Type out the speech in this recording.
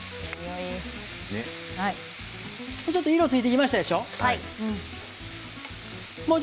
ちょっと色ついてきましたでしょう。